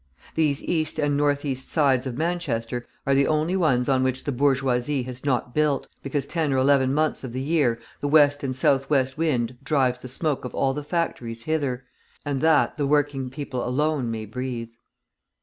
These east and north east sides of Manchester are the only ones on which the bourgeoisie has not built, because ten or eleven months of the year the west and south west wind drives the smoke of all the factories hither, and that the working people alone may breathe.